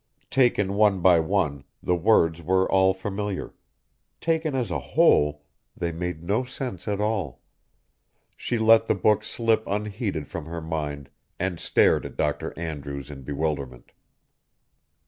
Taken one by one, the words were all familiar taken as a whole, they made no sense at all. She let the book slip unheeded from her mind and stared at Dr. Andrews in bewilderment.